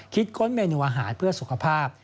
ค้นเมนูอาหารเพื่อสุขภาพ